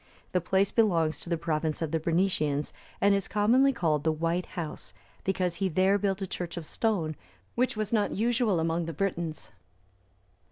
The place belongs to the province of the Bernicians, and is commonly called the White House,(303) because he there built a church of stone, which was not usual among the Britons.